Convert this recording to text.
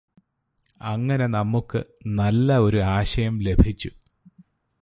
അങ്ങനെ നമുക്ക് നല്ല ഒരു ആശയം ലഭിച്ചു